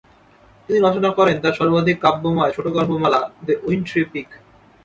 তিনি রচনা করেন তার সর্বাধিক কাব্যময় ছোটোগল্পমালা দ্য উইন্ট্রি পিকক।